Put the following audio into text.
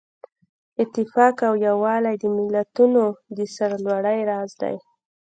اتفاق او یووالی د ملتونو د سرلوړۍ راز دی.